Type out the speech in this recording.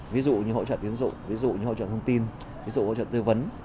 ví dụ như hỗ trợ tiến dụng ví dụ như hỗ trợ thông tin ví dụ hỗ trợ tư vấn